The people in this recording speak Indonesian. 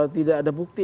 tidak ada bukti